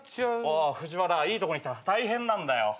ああふぢわらいいとこに来た大変なんだよ。